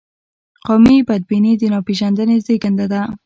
قومي بدبیني د ناپېژندنې زیږنده ده.